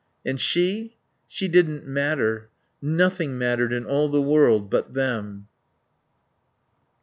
And she? She didn't matter. Nothing mattered in all the world but Them.